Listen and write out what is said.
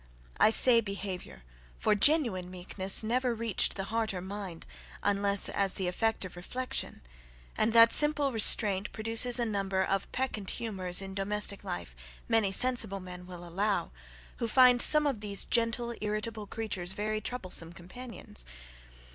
I say behaviour, for genuine meekness never reached the heart or mind, unless as the effect of reflection; and, that simple restraint produces a number of peccant humours in domestic life, many sensible men will allow, who find some of these gentle irritable creatures, very troublesome companions.